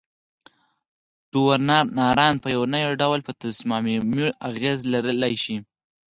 ډونران په یو نه یو ډول په تصامیمو اغیز لرلای شي.